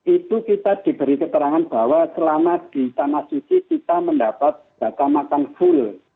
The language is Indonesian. itu kita diberi keterangan bahwa selama di tanah suci kita mendapat data makan full